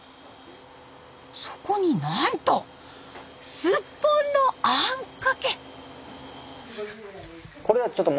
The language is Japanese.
そこになんとスッポンのあんかけ！